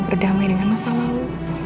berdamai dengan masa lalu